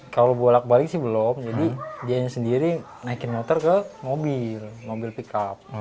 kalau bolak balik sih belum jadi dia sendiri naikin motor ke mobil mobil pickup